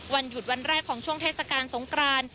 วันหยุดวันแรกของช่วงเทศกาลสงกราน